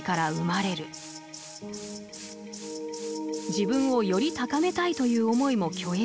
自分をより高めたいという思いも虚栄心。